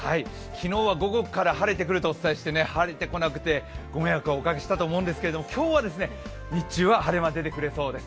昨日は午後から晴れてくるとお伝えして、晴れてこなくてご迷惑をおかけしたと思うんですけれども、今日は日中は晴れ間、出てくれそうです。